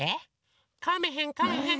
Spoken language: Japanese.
かめへんかめへん！